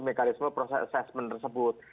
mekanisme proses asesmen tersebut